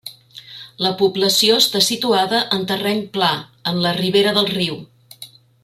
La població està situada en terreny pla, en la ribera del riu.